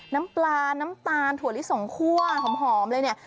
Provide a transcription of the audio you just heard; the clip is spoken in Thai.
น้ำปลาน้ำตาลถั่วลิสงคั่วหอมเลยเนี่ย